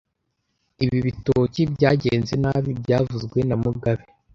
Ibi bitoki byagenze nabi byavuzwe na mugabe